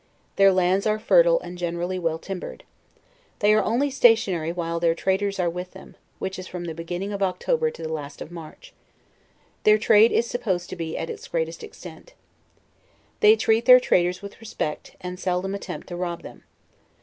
Their lands are fertile and gen erally well timbered* They are only stationary while their traders are with them, which is from the beginning of Octo ber to the last of March. Their trade is supposed to be at its greatest extent. They treat their traders with respect, and seldom attempt to rob them.